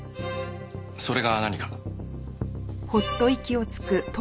それが何か？